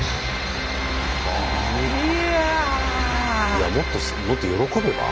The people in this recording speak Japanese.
いやもっともっと喜べば？